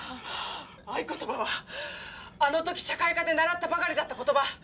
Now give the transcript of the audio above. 合言葉はあの時社会科で習ったばかりだった言葉。